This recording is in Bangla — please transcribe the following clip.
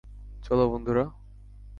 চলো, বন্ধুরা।